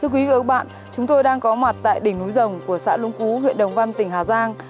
của thôn thèn bảng xã lũng cú huyện đồng văn tỉnh hà giang